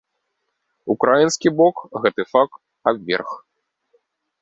Украінскі бок гэты факт абверг.